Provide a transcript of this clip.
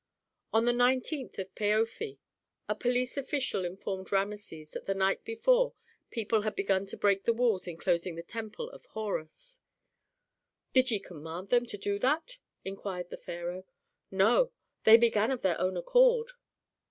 On the 19th of Paofi a police official informed Rameses that the night before people had begun to break the walls inclosing the temple of Horus. "Did ye command them to do that?" inquired the pharaoh. "No. They began of their own accord."